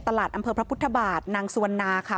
อำเภอพระพุทธบาทนางสุวรรณาค่ะ